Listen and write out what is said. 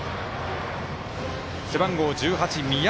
背番号１８、三宅。